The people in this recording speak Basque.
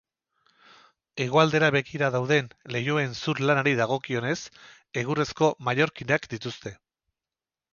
Hegoaldera begira dauden leihoen zur-lanari dagokionez, egurrezko mallorkinak dituzte.